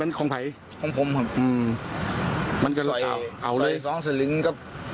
มันคงไพคงผมครับอืมมันก็เอาเอาเลยสอยสองสลึงกับ